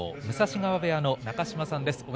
武蔵川部屋の中島さんです。